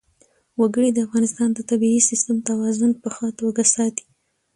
وګړي د افغانستان د طبعي سیسټم توازن په ښه توګه ساتي.